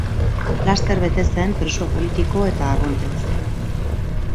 Laster bete zen preso politiko eta arruntez.